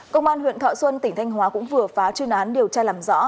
công an huyện thọ xuân tỉnh thanh hóa cũng vừa phá chuyên án điều tra làm rõ